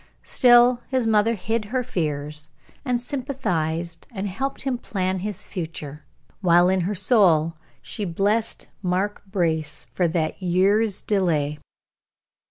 Still his mother hid her fears, and sympathized and helped him plan his future, while in her soul she blessed Mark Brace for that year's delay.